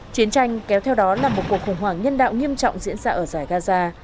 chiến tranh kéo theo đó là một cuộc khủng hoảng nhân đạo nghiêm trọng diễn ra ở giải gaza